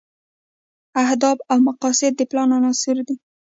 اهداف او مقاصد د پلان عناصر دي.